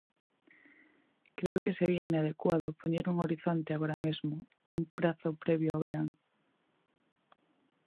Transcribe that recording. Creo que sería inadecuado poñer un horizonte agora mesmo dun prazo previo ao verán.